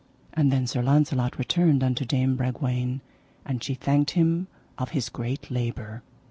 And then Sir Launcelot returned unto Dame Bragwaine, and she thanked him of his great labour.